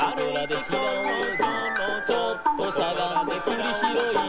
「ちょっとしゃがんでくりひろい」